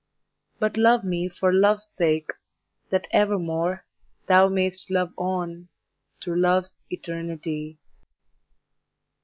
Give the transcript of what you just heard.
But love me for love's sake, that evermore Thou may'st love on, through love's eternity.